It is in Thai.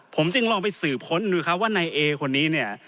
ผมจึงลองไปสืบค้นดูครับว่านายเอคนนี้เนี่ย